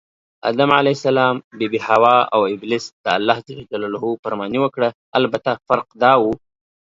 آدم ع، بي بي حوا اوابلیس دالله ج نافرماني وکړه البته فرق دا و